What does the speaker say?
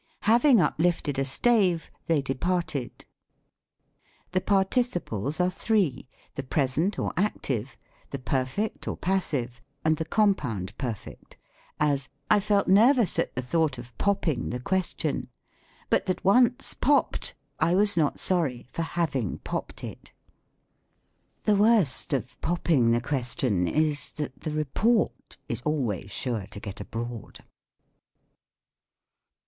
" Having uplifted a stave, they departed." The Participles are three; the Present or Active, the Perfect or Passive, and the Compound Perfect: as, " I felt nervous at the thought of popping the question, but that once popped, I was not sorry for having pop fed it." I ETYMOLOGY. 55 The worst of popping the question is, that the report is always sure to get abroad.